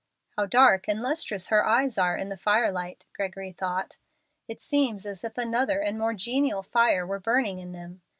"How dark and lustrous her eyes are in the firelight!" Gregory thought. "It seems as if another and more genial fire were burning in them.